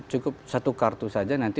cukup satu kartu saja nanti